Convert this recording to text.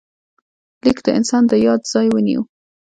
لیک د انسان د یاد ځای ونیو.